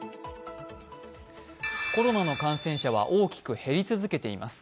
コロナの感染者は大きく減り続けています。